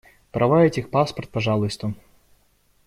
Права и техпаспорт, пожалуйста.